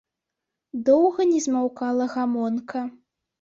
Доўга не змаўкала гамонка.